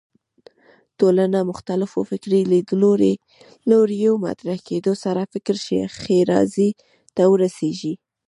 ټولنه مختلفو فکري لیدلوریو مطرح کېدو سره فکر ښېرازۍ ته ورسېږي